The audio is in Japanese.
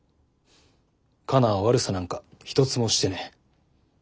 カナは悪さなんか一つもしてねえ。